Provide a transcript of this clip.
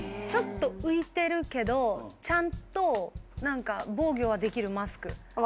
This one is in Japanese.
ちょっと浮いてるけどちゃんと防御はできるマスク。